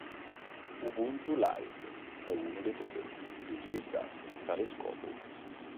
Ubuntu live è uno dei prodotti più utilizzati a tale scopo.